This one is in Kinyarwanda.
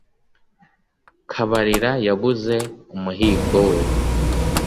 Kabarira yabuze umuhigo we